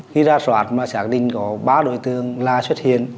khi ra soát mà xác định có ba đồi tường là xuất hiện